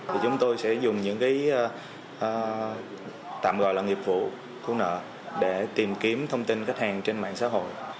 thì chúng tôi sẽ dùng những cái tạm gọi là nghiệp vụ cứu nợ để tìm kiếm thông tin khách hàng trên mạng xã hội